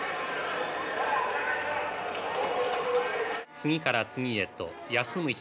次から次へと休む暇